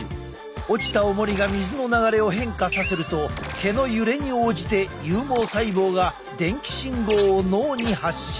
落ちたおもりが水の流れを変化させると毛の揺れに応じて有毛細胞が電気信号を脳に発信。